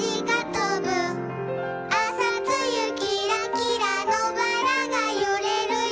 「あさつゆきらきらのばらがゆれるよ」